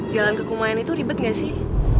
jalan ke kumayan itu ribet gak sih